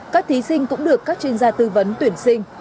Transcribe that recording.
các thí sinh cũng được các chuyên gia tư vấn tuyển sinh